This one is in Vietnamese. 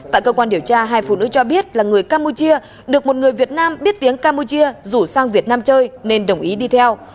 tại cơ quan điều tra hai phụ nữ cho biết là người campuchia được một người việt nam biết tiếng campuchia rủ sang việt nam chơi nên đồng ý đi theo